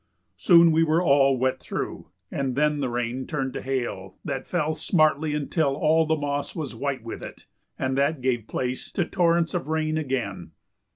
Soon we were all wet through, and then the rain turned to hail that fell smartly until all the moss was white with it, and that gave place to torrents of rain again.